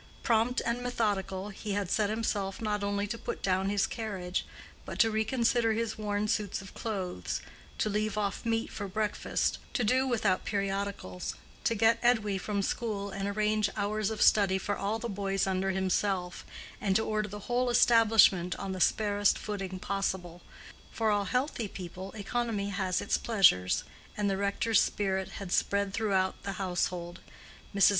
Prompt and methodical, he had set himself not only to put down his carriage, but to reconsider his worn suits of clothes, to leave off meat for breakfast, to do without periodicals, to get Edwy from school and arrange hours of study for all the boys under himself, and to order the whole establishment on the sparest footing possible. For all healthy people economy has its pleasures; and the rector's spirit had spread through the household. Mrs.